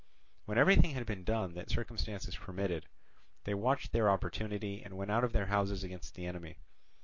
When everything had been done that circumstances permitted, they watched their opportunity and went out of their houses against the enemy.